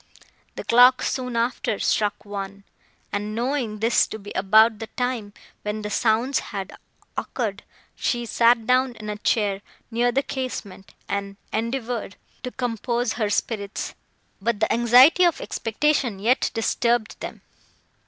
The clock soon after struck one, and, knowing this to be about the time, when the sounds had occurred, she sat down in a chair, near the casement, and endeavoured to compose her spirits; but the anxiety of expectation yet disturbed them.